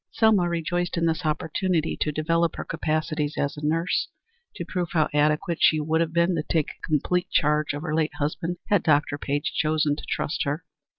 Selma rejoiced in this opportunity to develop her capacities as a nurse, to prove how adequate she would have been to take complete charge of her late husband, had Dr. Page chosen to trust her.